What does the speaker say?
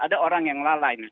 ada orang yang lalainya